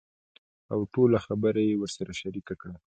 اوټوله خبره يې ورسره شريکه کړه .